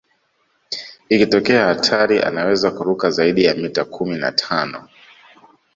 Ikitokea hatari anaweza kuruka zaidi ya mita kumi na tano